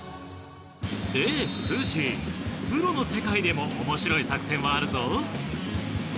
スージープロの世界でも面白い作戦はあるぞ。